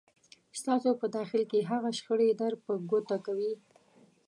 ستاسو په داخل کې هغه شخړې در په ګوته کوي.